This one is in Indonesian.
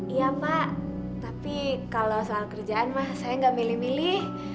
iya pak tapi kalau soal kerjaan mah saya nggak milih milih